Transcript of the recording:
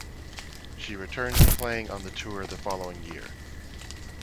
She returned to playing on the tour the following year.